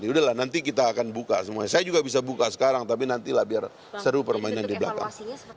udahlah nanti kita akan buka semuanya saya juga bisa buka sekarang tapi nantilah biar seru permainan di belakang